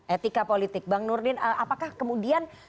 etika politik bang nurdin apakah kemudian